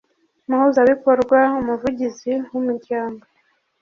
Umuhuzabikorwa umuvugizi w umuryango